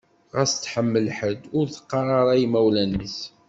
Ɣas tḥemmel ḥedd, ur teqqar ara i imawlan-is.